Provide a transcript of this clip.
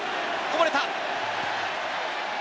こぼれた。